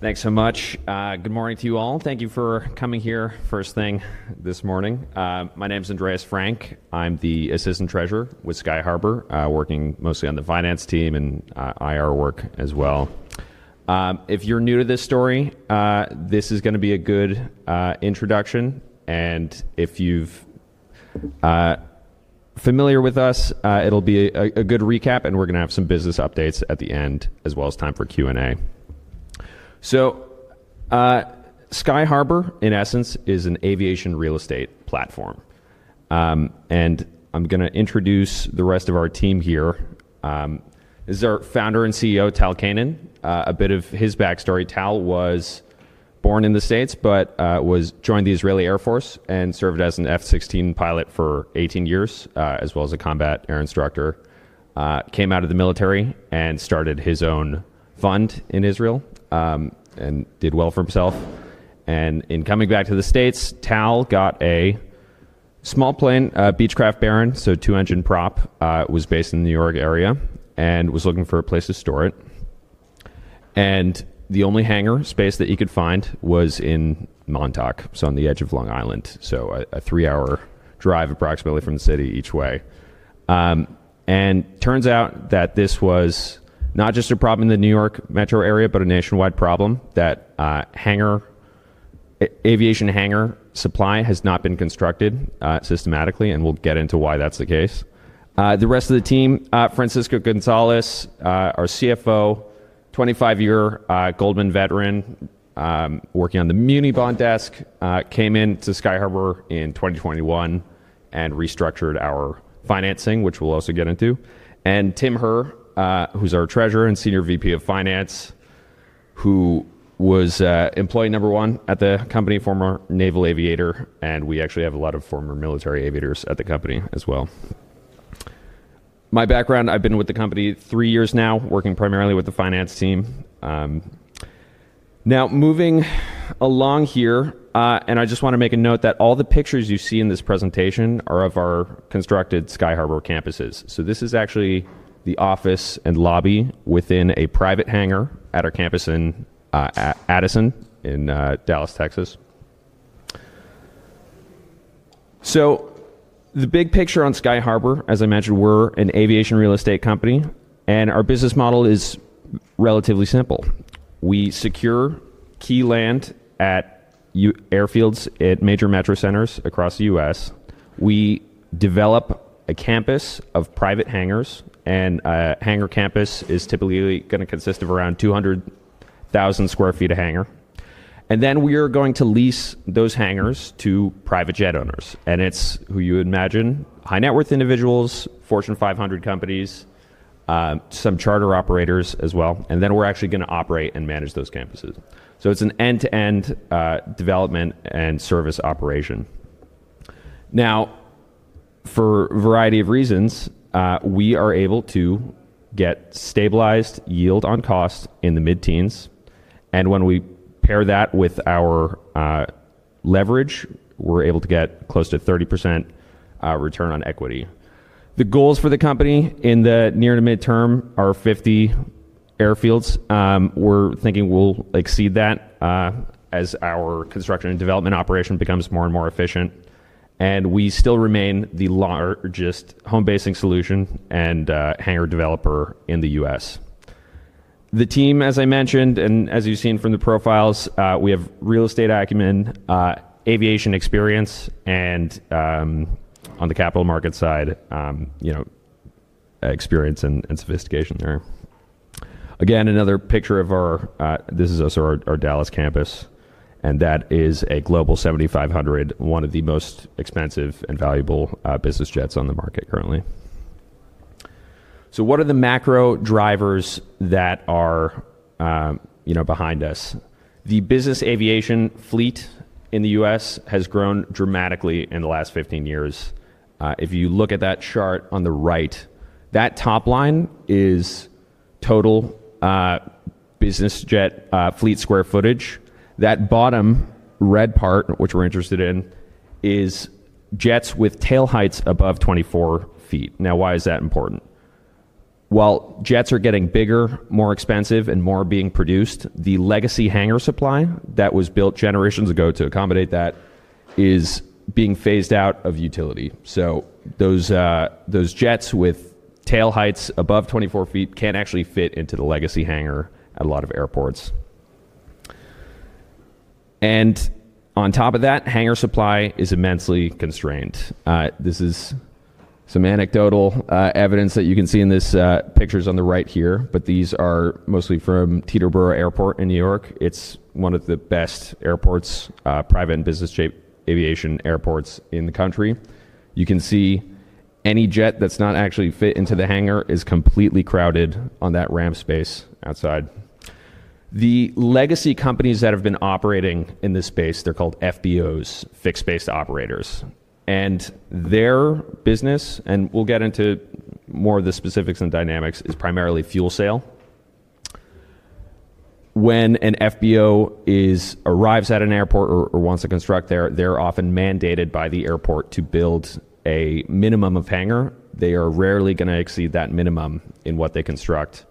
Thanks so much. Good morning to you all. Thank you for coming here first thing this morning. My name is Andreas Frank. I'm the Assistant Treasurer with Sky Harbour, working mostly on the finance team and IR work as well. If you're new to this story, this is going to be a good introduction, and if you're familiar with us, it'll be a good recap, and we're going to have some business updates at the end, as well as time for Q&A. Sky Harbour, in essence, is an aviation real estate platform. I'm going to introduce the rest of our team here. This is our Founder and CEO, Tal Keinan. A bit of his backstory. Tal was born in the States, but joined the Israeli Air Force and served as an F-16 pilot for 18 years, as well as a combat air instructor. He came out of the military and started his own fund in Israel and did well for himself. In coming back to the States, Tal got a small plane, a Beechcraft Baron, so a two-engine prop. It was based in the New York area and was looking for a place to store it. The only hangar space that he could find was in Montauk, on the edge of Long Island, so a three-hour drive approximately from the city each way. It turns out that this was not just a problem in the New York metro area, but a nationwide problem that aviation hangar supply has not been constructed systematically, and we'll get into why that's the case. The rest of the team: Francisco Gonzalez, our CFO, 25-year Goldman veteran working on the muni bond desk, came into Sky Harbour in 2021 and restructured our financing, which we'll also get into. Tim Herr, who's our Treasurer and Senior Vice President of Finance, was employee number one at the company, former naval aviator, and we actually have a lot of former military aviators at the company as well. My background, I've been with the company three years now, working primarily with the finance team. Moving along here, I just want to make a note that all the pictures you see in this presentation are of our constructed Sky Harbour campuses. This is actually the office and lobby within a private hangar at our campus in Addison, in Dallas, Texas. The big picture on Sky Harbour, as I mentioned, we're an aviation real estate company, and our business model is relatively simple. We secure key land at airfields at major metro centers across the U.S. We develop a campus of private hangars, and a hangar campus is typically going to consist of around 200,000 sq ft of hangar. We are going to lease those hangars to private jet owners, and it's who you would imagine, high-net-worth individuals, Fortune 500 companies, some charter operators as well. We are actually going to operate and manage those campuses. It is an end-to-end development and service operation. For a variety of reasons, we are able to get stabilized yield on cost in the mid-teens, and when we pair that with our leverage, we're able to get close to 30% return on equity. The goals for the company in the near to mid-term are 50 airfields. We are thinking we'll exceed that as our construction and development operation becomes more and more efficient. We still remain the largest home-basing solution and hangar developer in the U.S. The team, as I mentioned, and as you've seen from the profiles, we have real estate acumen, aviation experience, and on the capital market side, experience and sophistication there. Another picture of our Dallas campus, and that is a Global 7500, one of the most expensive and valuable business jets on the market currently. What are the macro drivers that are behind us? The business aviation fleet in the U.S. has grown dramatically in the last 15 years. If you look at that chart on the right, that top line is total business jet fleet square footage. That bottom red part, which we're interested in, is jets with tail heights above 24 ft. Why is that important? Jets are getting bigger, more expensive, and more being produced. The legacy hangar supply that was built generations ago to accommodate that is being phased out of utility. Those jets with tail heights above 24 feet can't actually fit into the legacy hangar at a lot of airports. On top of that, hangar supply is immensely constrained. This is some anecdotal evidence that you can see in these pictures on the right here, but these are mostly from Teterboro Airport in New York. It is one of the best airports, private and business-shaped aviation airports in the country. You can see any jet that's not actually fitting into the hangar is completely crowded on that ramp space outside. The legacy companies that have been operating in this space, they're called FBOs, fixed-base operators. Their business, and we'll get into more of the specifics and dynamics, is primarily fuel sale. When an FBO arrives at an airport or wants to construct there, they're often mandated by the airport to build a minimum of hangar. They are rarely going to exceed that minimum in what they construct.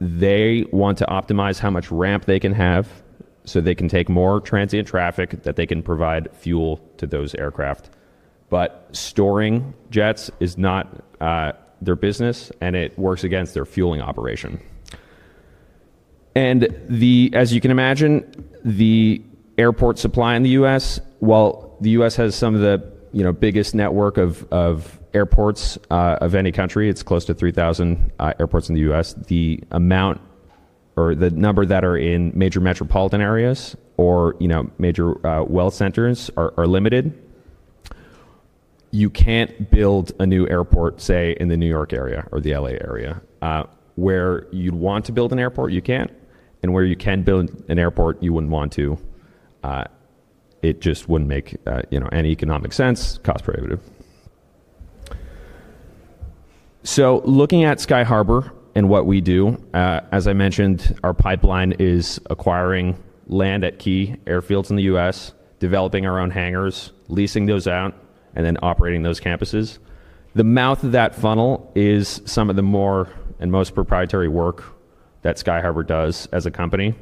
They want to optimize how much ramp they can have so they can take more transient traffic that they can provide fuel to those aircraft. Storing jets is not their business, and it works against their fueling operation. As you can imagine, the airport supply in the U.S., the U.S. has some of the biggest network of airports of any country. It's close to 3,000 airports in the U.S. The amount or the number that are in major metropolitan areas or major wealth centers are limited. You can't build a new airport, say, in the New York area or the LA area. Where you'd want to build an airport, you can't. Where you can build an airport, you wouldn't want to. It just wouldn't make any economic sense, cost-prohibitive. Looking at Sky Harbour and what we do, as I mentioned, our pipeline is acquiring land at key airfields in the U.S., developing our own hangars, leasing those out, and then operating those campuses. The mouth of that funnel is some of the more and most proprietary work that Sky Harbour does as a company.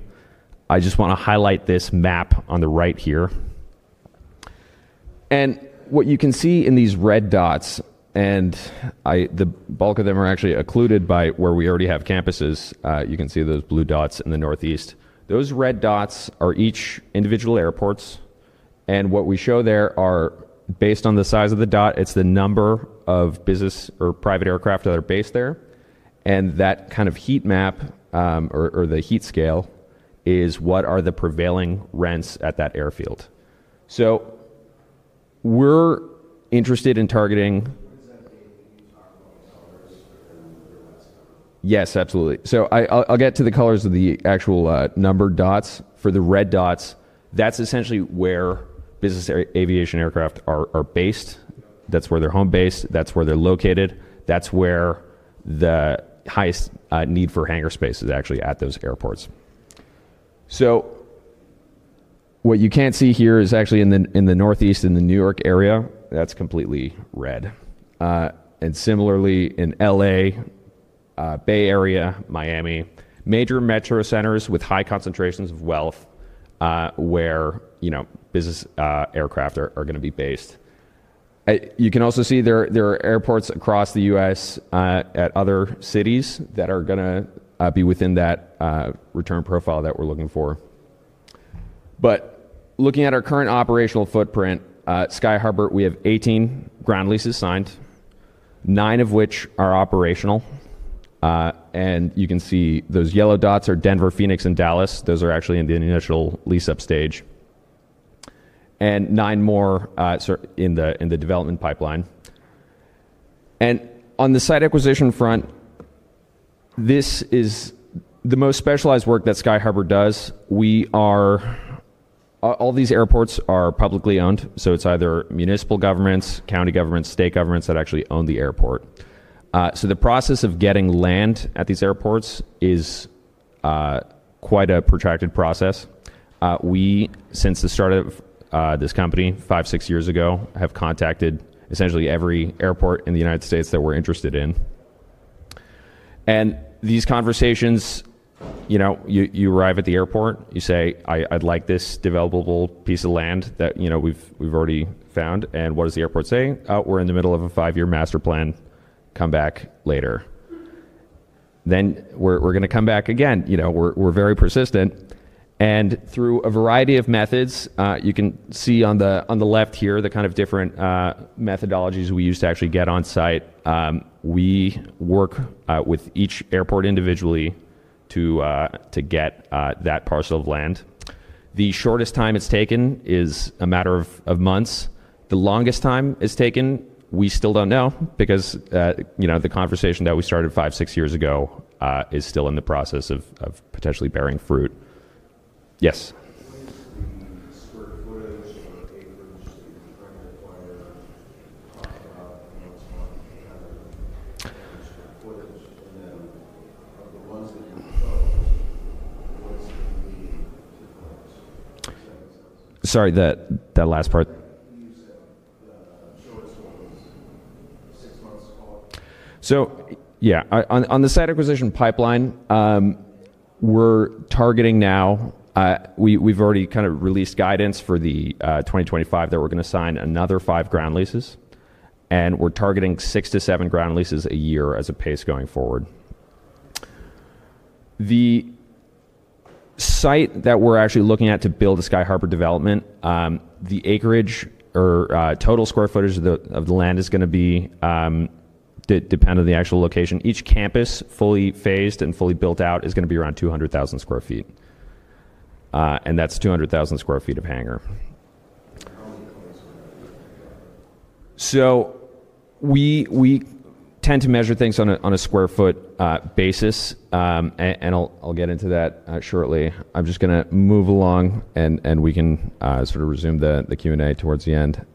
I just want to highlight this map on the right here. What you can see in these red dots, and the bulk of them are actually occluded by where we already have campuses, you can see those blue dots in the northeast. Those red dots are each individual airports. What we show there are, based on the size of the dot, it's the number of business or private aircraft that are based there. That kind of heat map or the heat scale is what are the prevailing rents at that airfield. We're interested in targeting. Is that the cargo tenants and the rest? Yes, absolutely. I'll get to the colors of the actual numbered dots. For the red dots, that's essentially where business aviation aircraft are based. That's where they're home based. That's where they're located. That's where the highest need for hangar space is actually at those airports. What you can't see here is actually in the northeast, in the New York area, that's completely red. Similarly, in LA, Bay Area, Miami, major metro centers with high concentrations of wealth where business aircraft are going to be based. You can also see there are airports across the U.S. at other cities that are going to be within that return profile that we're looking for. Looking at our current operational footprint, at Sky Harbour, we have 18 ground leases signed, nine of which are operational. You can see those yellow dots are Denver, Phoenix, and Dallas. Those are actually in the initial lease-up stage. Nine more are in the development pipeline. On the site acquisition front, this is the most specialized work that Sky Harbour does. All these airports are publicly owned. It's either municipal governments, county governments, or state governments that actually own the airport. The process of getting land at these airports is quite a protracted process. Since the start of this company five, six years ago, we have contacted essentially every airport in the U.S. that we're interested in. These conversations, you arrive at the airport. You say, I'd like this developable piece of land that we've already found. What does the airport say? Oh, we're in the middle of a five-year master plan. Come back later. We come back again. We're very persistent. Through a variety of methods, you can see on the left here the kind of different methodologies we use to actually get on site. We work with each airport individually to get that parcel of land. The shortest time it's taken is a matter of months. The longest time it's taken, we still don't know because the conversation that we started five, six years ago is still in the process of potentially bearing fruit. Yes? What is the square footage or acreage that you're trying to acquire? You talked about the most marketable kind of square footage. Of the ones that you chose, what is the median to the right? Sorry, I'm sorry. Sorry, that last part. Right, you said the shortest one was six months apart? On the site acquisition pipeline, we're targeting now, we've already kind of released guidance for 2025 that we're going to sign another five ground leases. We're targeting six to seven ground leases a year as a pace going forward. The site that we're actually looking at to build a Sky Harbour development, the acreage or total square footage of the land is going to be, depending on the actual location, each campus fully phased and fully built out is going to be around 200,000 square fet. That's 200,000 square ft of hangar. How many square feet are you talking about? We tend to measure things on a square foot basis. I'll get into that shortly. I'm just going to move along and we can sort of resume the Q&A towards the end.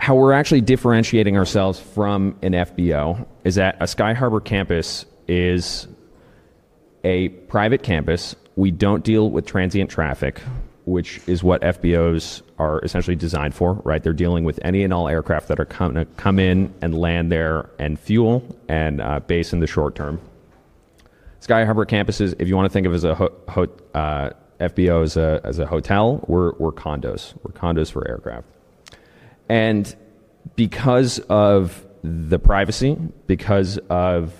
How we're actually differentiating ourselves from a FBO is that a Sky Harbour campus is a private campus. We don't deal with transient traffic, which is what FBOs are essentially designed for. They're dealing with any and all aircraft that are coming in and land there and fuel and base in the short term. Sky Harbour campuses, if you want to think of an FBO as a hotel, we're condos. We're condos for aircraft. Because of the privacy, because of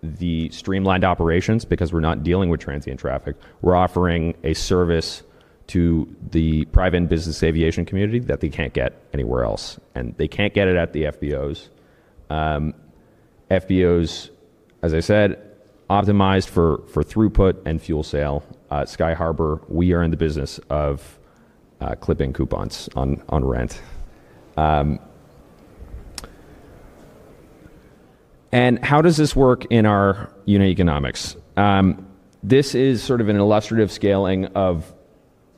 the streamlined operations, because we're not dealing with transient traffic, we're offering a service to the private and business aviation community that they can't get anywhere else. They can't get it at the FBOs. FBOs, as I said, are optimized for throughput and fuel sale. At Sky Harbour, we are in the business of clipping coupons on rent. How does this work in our unit economics? This is sort of an illustrative scaling of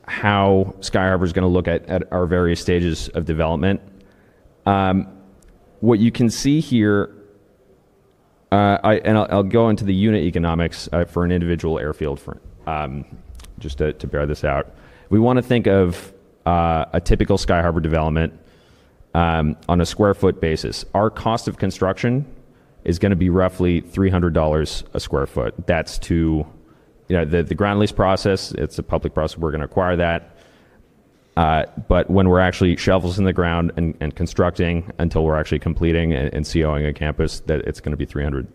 how Sky Harbour is going to look at our various stages of development. What you can see here, and I'll go into the unit economics for an individual airfield just to bear this out. We want to think of a typical Sky Harbour development on a square foot basis. Our cost of construction is going to be roughly $300 a square foot. That's through the ground lease process. It's a public process. We're going to acquire that. When we're actually shelves in the ground and constructing until we're actually completing and CO-ing a campus, it's going to be $300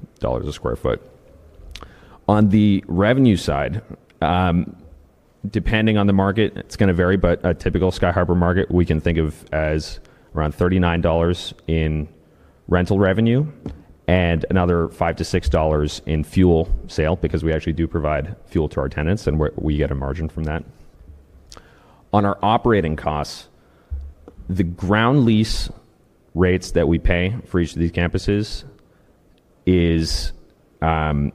a square foot. On the revenue side, depending on the market, it's going to vary. A typical Sky Harbour market we can think of as around $39 in rental revenue and another $5-$6 in fuel sale because we actually do provide fuel to our tenants and we get a margin from that. On our operating costs, the ground lease rates that we pay for each of these campuses are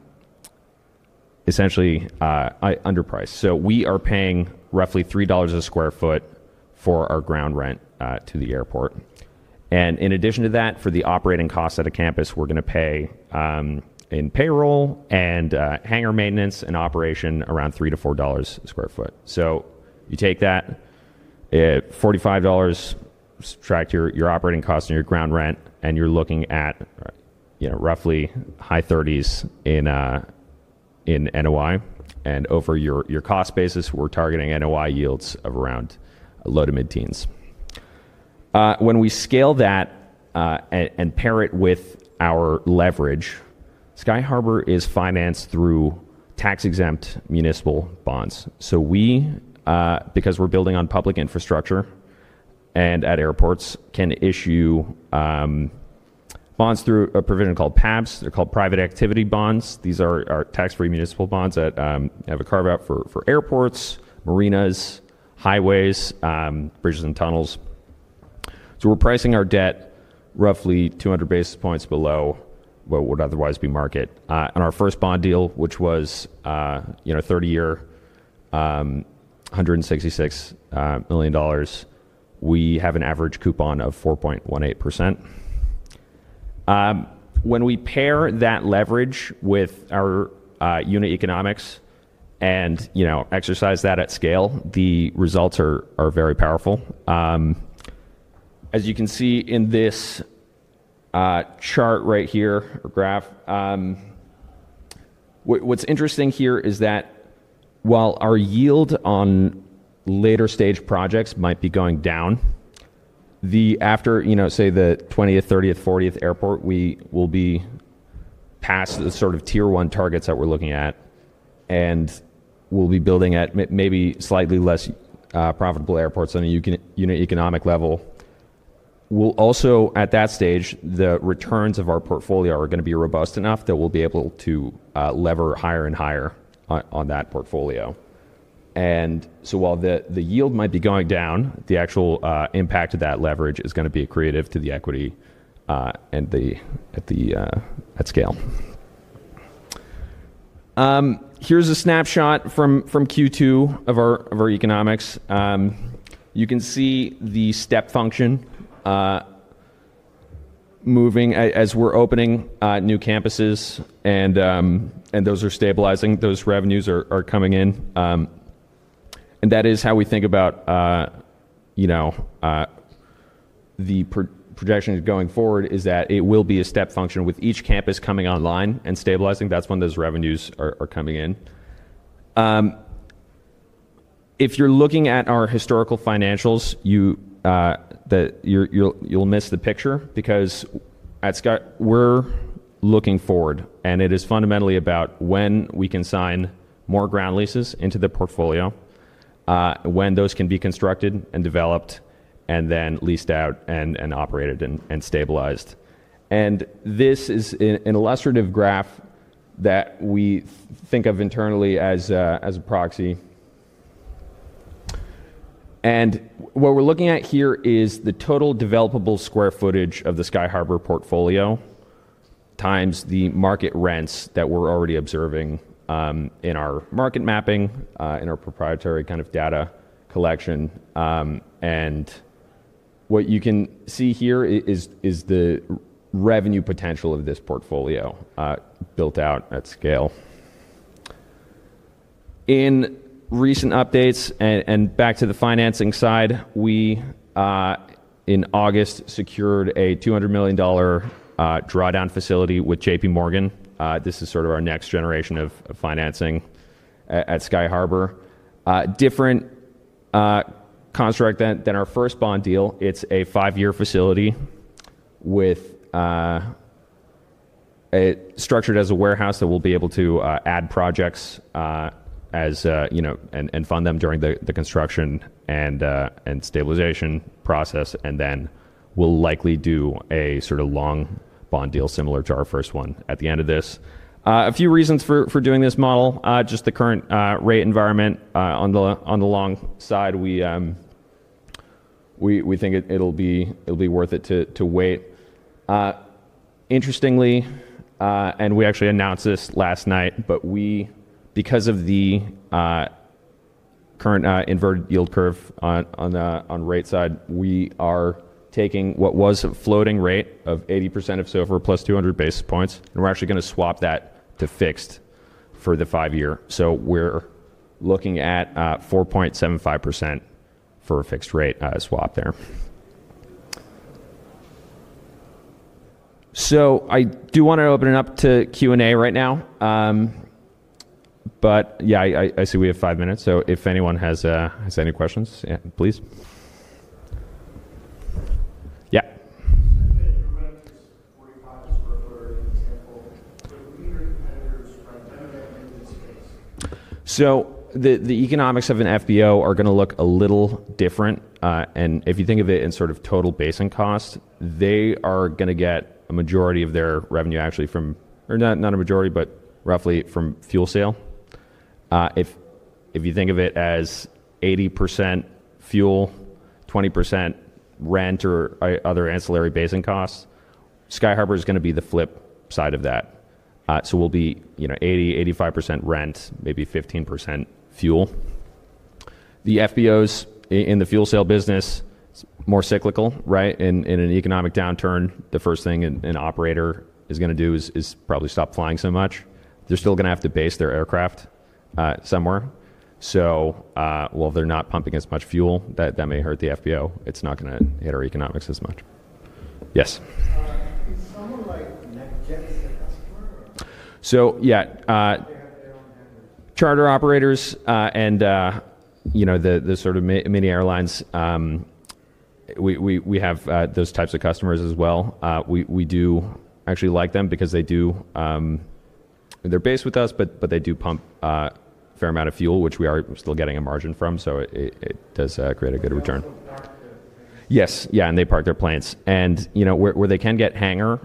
essentially underpriced. We are paying roughly $3 a square foot for our ground rent to the airport. In addition to that, for the operating costs at a campus, we're going to pay in payroll and hangar maintenance and operation around $3-$4 a square foot. You take that, $45 subtract your operating costs and your ground rent, and you're looking at roughly high 30s in NOI. Over your cost basis, we're targeting NOI yields of around low to mid-teens. When we scale that and pair it with our leverage, Sky Harbour is financed through tax-exempt municipal bonds. We, because we're building on public infrastructure and at airports, can issue bonds through a provision called PABs. They're called Private Activity Bonds. These are tax-free municipal bonds that have a carve-out for airports, marinas, highways, bridges, and tunnels. We're pricing our debt roughly 200 basis points below what would otherwise be market. Our first bond deal, which was a 30-year $166 million, we have an average coupon of 4.18%. When we pair that leverage with our unit economics and exercise that at scale, the results are very powerful. As you can see in this chart right here or graph, what's interesting here is that while our yield on later-stage projects might be going down, after, say, the 20th, 30th, 40th airport, we will be past the sort of tier one targets that we're looking at and we'll be building at maybe slightly less profitable airports on a unit economic level. At that stage, the returns of our portfolio are going to be robust enough that we'll be able to lever higher and higher on that portfolio. While the yield might be going down, the actual impact of that leverage is going to be accretive to the equity at scale. Here's a snapshot from Q2 of our economics. You can see the step function moving as we're opening new campuses, and those are stabilizing. Those revenues are coming in. That is how we think about the projections going forward, that it will be a step function with each campus coming online and stabilizing. That's when those revenues are coming in. If you're looking at our historical financials, you'll miss the picture because we're looking forward, and it is fundamentally about when we can sign more ground leases into the portfolio, when those can be constructed and developed, and then leased out and operated and stabilized. This is an illustrative graph that we think of internally as a proxy. What we're looking at here is the total developable square footage of the Sky Harbour portfolio times the market rents that we're already observing in our market mapping, in our proprietary kind of data collection. What you can see here is the revenue potential of this portfolio built out at scale. In recent updates, and back to the financing side, in August we secured a $200 million drawdown facility with JPMorgan. This is sort of our next generation of financing at Sky Harbour. Different construct than our first bond deal. It's a five-year facility structured as a warehouse that we'll be able to add projects and fund them during the construction and stabilization process. We'll likely do a sort of long bond deal similar to our first one at the end of this. A few reasons for doing this model, just the current rate environment. On the long side, we think it'll be worth it to wait. Interestingly, and we actually announced this last night, because of the current inverted yield curve on the rate side, we are taking what was a floating rate of 80% of SOFR plus 200 basis points, and we're actually going to swap that to fixed for the five-year. We're looking at 4.75% for a fixed rate swap there. I do want to open it up to Q&A right now. I see we have five minutes. If anyone has any questions, please. Yeah? I have a question. Your question is 45 sq ft in the sample. What do you think are the competitors from Denver in this space? economics of a FBO are going to look a little different. If you think of it in sort of total basin cost, they are going to get a majority of their revenue actually from, or not a majority, but roughly from fuel sale. If you think of it as 80% fuel, 20% rent, or other ancillary basin costs, Sky Harbour is going to be the flip side of that. We'll be 80%-85% rent, maybe 15% fuel. The FBOs in the fuel sale business, it's more cyclical, right? In an economic downturn, the first thing an operator is going to do is probably stop flying so much. They're still going to have to base their aircraft somewhere. If they're not pumping as much fuel, that may hurt the FBO. It's not going to hit our economics as much. Yes? Is someone like NetJets a customer? So yeah. Do they have their own vendors? Charter operators and the sort of mini airlines, we have those types of customers as well. We do actually like them because they're based with us, but they do pump a fair amount of fuel, which we are still getting a margin from. It does create a good return. Do they also park their things? Yes, they park their planes. Where they can get hangar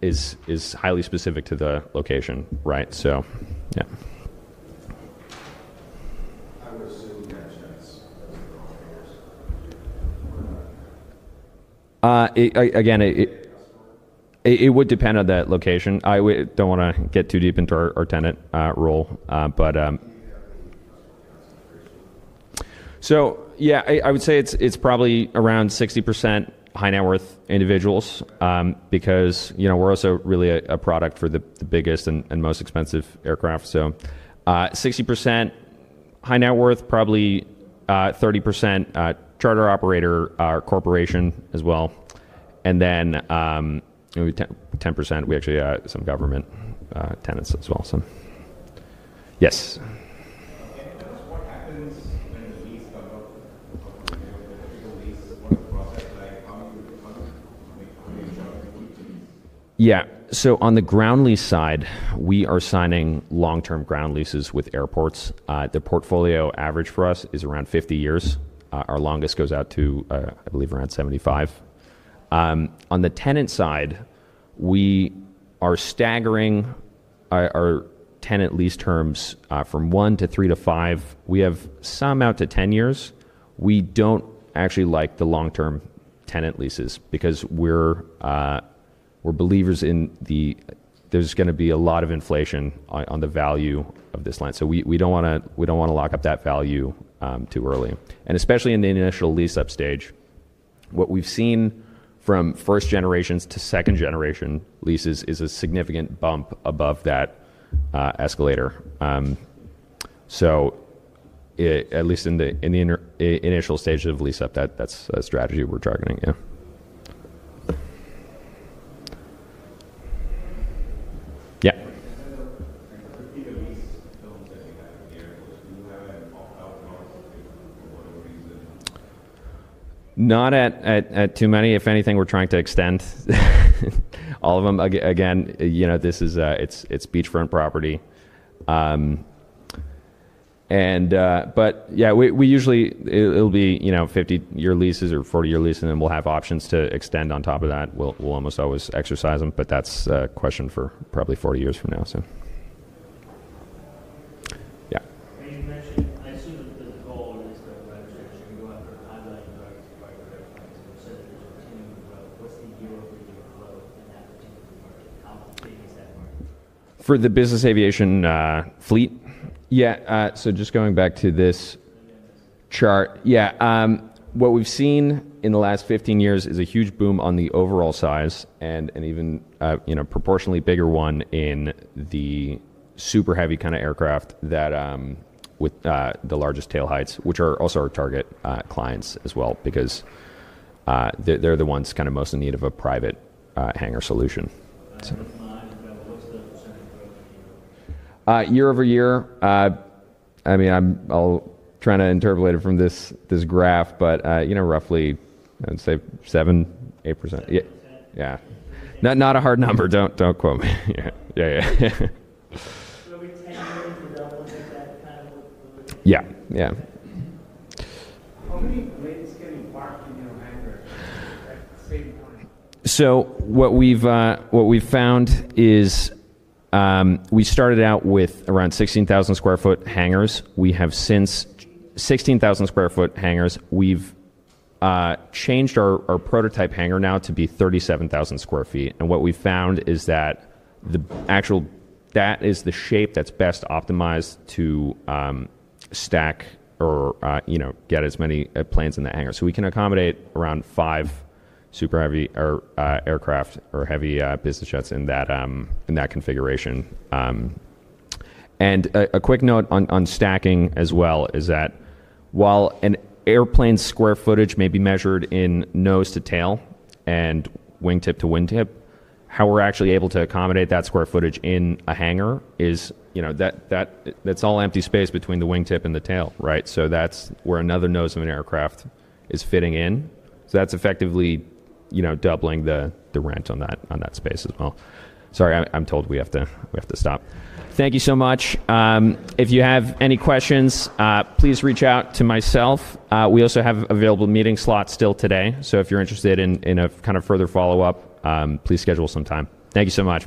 is highly specific to the location, right? Yeah. I would assume NetJets does their own hangars. What about Net? Again. Is that a customer? It would depend on that location. I don't want to get too deep into our tenant roll, but. Do you think they have a customer concentration? I would say it's probably around 60% high net worth individuals because we're also really a product for the biggest and most expensive aircraft. 60% high net worth, probably 30% charter operator corporation as well, and then 10% we actually have some government tenants as well. Yes? Can you tell us what happens when the lease comes up? Like when you have an official lease, what's the process like? How do you make sure everything keeps the lease? Yeah, on the ground lease side, we are signing long-term ground leases with airports. The portfolio average for us is around 50 years. Our longest goes out to, I believe, around 75. On the tenant side, we are staggering our tenant lease terms from one to three to five. We have some out to 10 years. We don't actually like the long-term tenant leases because we're believers in there's going to be a lot of inflation on the value of this land. We don't want to lock up that value too early. Especially in the initial lease-up stage, what we've seen from first generations to second generation leases is a significant bump above that escalator. At least in the initial stage of lease-up, that's a strategy we're targeting. Yeah. I know that. Yeah? I think the lease films that you have for the airports, do you have it in all thousands or whatever reason? Not at too many. If anything, we're trying to extend all of them. It's beachfront property. Yeah, we usually, it'll be 50-year leases or 40-year leases, and then we'll have options to extend on top of that. We'll almost always exercise them. That's a question for probably 40 years from now. Yeah. I assume that the goal is to actually go after high value drivers to buy their airplanes. You said that there's a continuing growth. What's the year-over-year growth in that particular market? How big is that market? For the business aviation fleet? Yeah, just going back to this. The next chart. Yeah, what we've seen in the last 15 years is a huge boom on the overall size and an even proportionately bigger one in the super-heavy jet segment with the largest tail heights, which are also our target clients as well because they're the ones most in need of a private hangar solution. That's a lot. What's the percentage growth in a year? Year over year, I mean, I'll try to interpolate it from this graph, but roughly, I'd say 7%, 8%. 7%? Not a hard number. Don't quote me. Yeah, yeah. Every 10 years developing like that, kind of what we're looking at? Yeah, yeah. How many planes can you park in your hangar at the same time? What we've found is we started out with around 16,000 sq ft hangars. We have since 16,000 sq ft hangars. We've changed our prototype hangar now to be 37,000 sq ft. What we've found is that the actual, that is the shape that's best optimized to stack or get as many planes in that hangar. We can accommodate around five super-heavy aircraft or heavy business jets in that configuration. A quick note on stacking as well is that while an airplane's square footage may be measured in nose to tail and wingtip to wingtip, how we're actually able to accommodate that square footage in a hangar is that's all empty space between the wingtip and the tail, right? That's where another nose of an aircraft is fitting in. That's effectively doubling the rent on that space as well. Sorry, I'm told we have to stop. Thank you so much. If you have any questions, please reach out to myself. We also have available meeting slots still today. If you're interested in a kind of further follow-up, please schedule some time. Thank you so much.